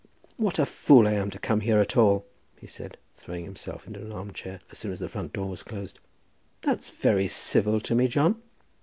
"What a fool I am to come here at all," he said, throwing himself into an arm chair as soon as the front door was closed. "That's very civil to me, John!"